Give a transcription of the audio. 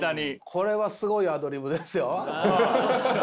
これはすごいアドリブですよ。